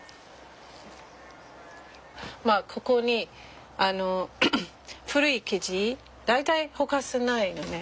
まあここに古い生地大体ほかせないのね。